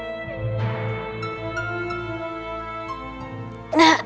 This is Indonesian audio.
nini akan memberikan apapun